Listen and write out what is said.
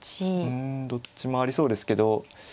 うんどっちもありそうですけど。